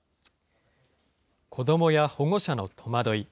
子どもや保護者の戸惑い。